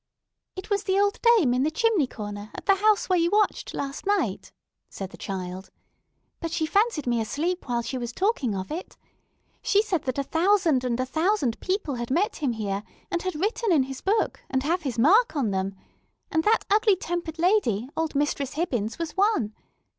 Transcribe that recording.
"It was the old dame in the chimney corner, at the house where you watched last night," said the child. "But she fancied me asleep while she was talking of it. She said that a thousand and a thousand people had met him here, and had written in his book, and have his mark on them. And that ugly tempered lady, old Mistress Hibbins, was one.